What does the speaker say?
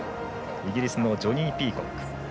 イギリスのジョニー・ピーコック。